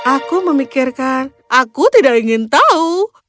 aku memikirkan aku tidak ingin tahu